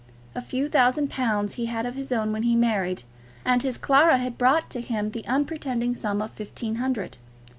A few thousand pounds he had of his own when he married, and his Clara had brought to him the unpretending sum of fifteen hundred.